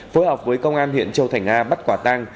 phối hợp với công an huyện châu thành nga bắt quả tăng